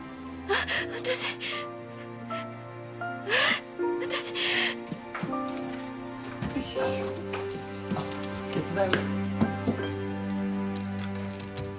あっ手伝います。